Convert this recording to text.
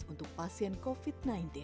untuk pasien covid sembilan belas